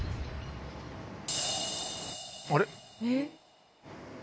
あれ？